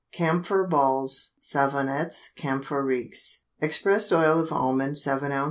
CAMPHOR BALLS (SAVONETTES CAMPHORIQUES). Expressed oil of almond 7 oz.